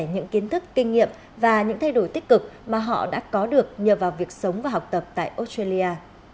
những kiến thức kinh nghiệm và những thay đổi tích cực mà họ đã có được nhờ vào việc sống và học tập tại australia